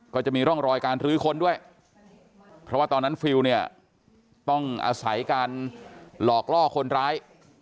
ก็จะมีร่องรอยการรื้อค้นด้วยเพราะว่าตอนนั้นฟิลเนี่ยต้องอาศัยการหลอกล่อคนร้าย